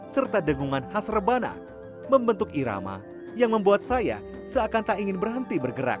serta dengungan khas rebana membentuk irama yang membuat saya seakan tak ingin berhenti bergerak